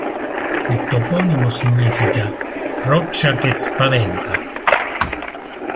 Il toponimo significa "roccia che spaventa".